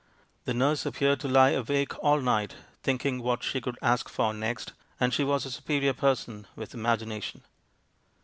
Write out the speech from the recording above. The nurse appeared to lie awake all night thinking what she could ask for next, and she was a superior person, with imagination.